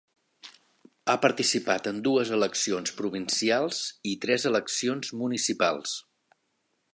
Ha participat en dues eleccions provincials i tres eleccions municipals.